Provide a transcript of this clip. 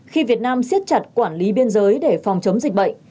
khi việt nam siết chặt quản lý bên dưới để phòng chống dịch bệnh